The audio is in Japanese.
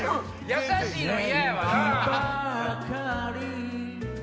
優しいの嫌やわな！